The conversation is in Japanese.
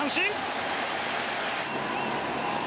三振！